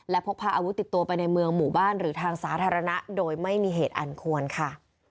และพกพาอาวุธติดตัวไปในเมืองหมู่บ้านหรือทางสาธารณะโดยไม่มีเหตุอันควรค่ะ